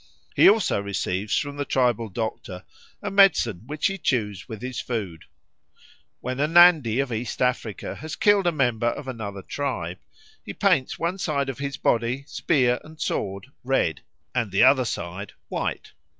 He also receives from the tribal doctor a medicine which he chews with his food. When a Nandi of East Africa has killed a member of another tribe, he paints one side of his body, spear, and sword red, and the other side white.